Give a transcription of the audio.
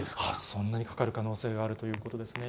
そんなにかかる可能性があるということですね。